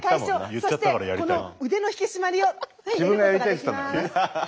そしてこの腕の引き締まりを。